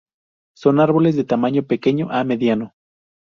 Son árboles de tamaño pequeño a mediano.